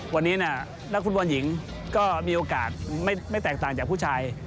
วันนี้นักฟุตบอลหญิงก็มีโอกาสไม่แตกต่างจากผู้ชาย